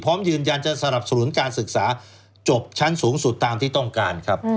พร้อมยืนยันจะสนับสนุนการศึกษาจบชั้นสูงสุดตามที่ต้องการครับ